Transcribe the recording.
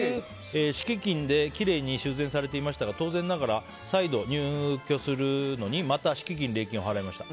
敷金できれいに修繕されていましたが当然ながら再度入居するのにまた敷金・礼金を払いました。